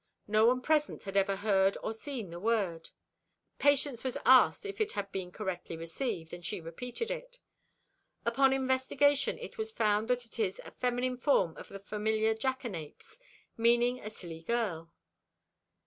No one present had ever heard or seen the word. Patience was asked if it had been correctly received, and she repeated it. Upon investigation it was found that it is a feminine form of the familiar jackanapes, meaning a silly girl.